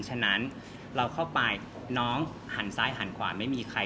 ฉะนั้นเราเข้าไปน้องหันซ้ายหันขวาไม่มีใคร